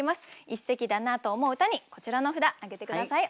一席だなと思う歌にこちらの札挙げて下さい。